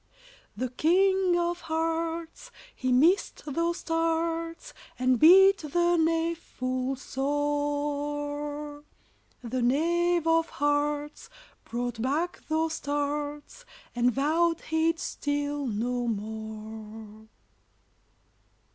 The King of Hearts, He missed those tarts, And beat the knave full sore; The Knave of Hearts Brought back those tarts, And vowed he'd steal no more.